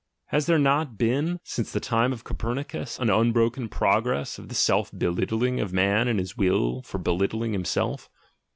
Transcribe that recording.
Has there not been since the time of Copernicus an unbroken progress in the self belittling of man and his will for belittling him self?